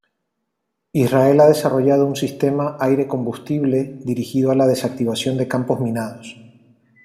Israel ha desarrollado un sistema aire-combustible dirigido a la desactivación de campos minados.